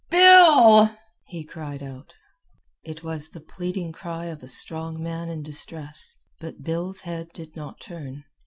"Bill!" he cried out. It was the pleading cry of a strong man in distress, but Bill's head did not turn.